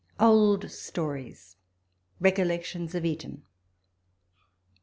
OLD STORIES— RECOLLECTIOyS OF ETON.